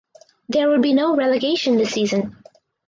There would be no relegation this season.